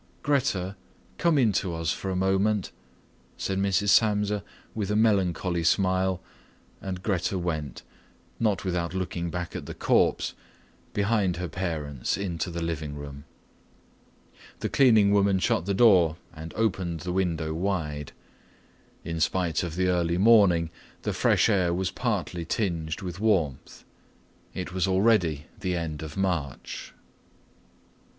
"Grete, come into us for a moment," said Mrs. Samsa with a melancholy smile, and Grete went, not without looking back at the corpse, behind her parents into the bed room. The cleaning woman shut the door and opened the window wide. In spite of the early morning, the fresh air was partly tinged with warmth. It was already the end of March.